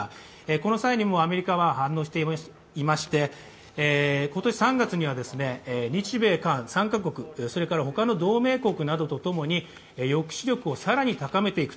この際にもアメリカは反応していまして今年３月には日米韓３か国、それから他の同盟国などとともに抑止力を更に強めていく